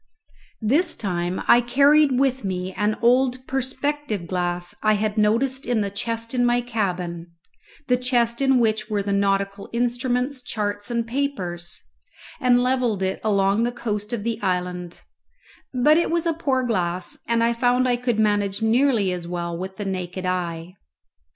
This time I carried with me an old perspective glass I had noticed in the chest in my cabin the chest in which were the nautical instruments, charts, and papers and levelled it along the coast of the island, but it was a poor glass, and I found I could manage nearly as well with the naked eye.